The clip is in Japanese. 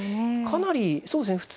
かなりそうですね